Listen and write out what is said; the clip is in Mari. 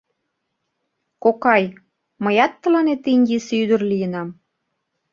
Кокай, мыят тыланет Индийысе ӱдыр лийынам?...